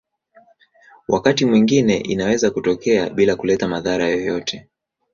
Wakati mwingine inaweza kutokea bila kuleta madhara yoyote.